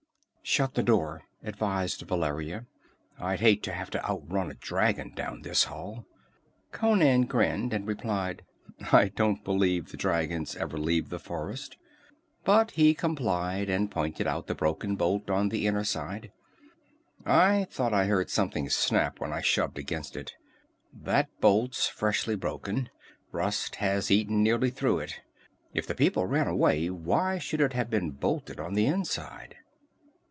"Shut the door," advised Valeria. "I'd hate to have to outrun a dragon down this hall." Conan grinned, and replied: "I don't believe the dragons ever leave the forest." But he complied, and pointed out the broken bolt on the inner side. "I thought I heard something snap when I shoved against it. That bolt's freshly broken. Rust has eaten nearly through it. If the people ran away, why should it have been bolted on the inside?"